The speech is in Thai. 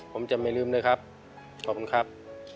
ผมจะไม่ลืมเลยครับขอบคุณครับ